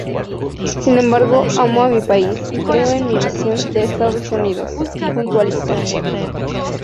Sin embargo amo a mi país y creo en mi visión de Estados Unidos",puntualizó.